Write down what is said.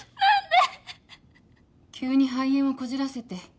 急に肺炎をこじらせて。